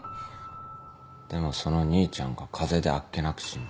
でもその兄ちゃんが風邪であっけなく死んだ。